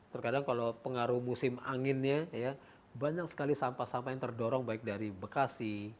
terkadang kalau pengaruh musim anginnya ya banyak sekali sampah sampah yang terdorong baik dari bekasi